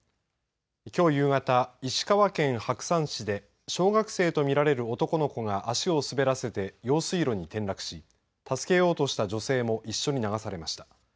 きょう夕方石川県白山市で小学生と見られる男の子が足を滑らせて用水路に転落し助けようとした女性も一緒に流されました。